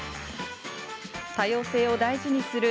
多様性を大事にする